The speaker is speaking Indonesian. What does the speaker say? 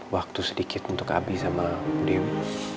waktu sedikit untuk abi sama dewi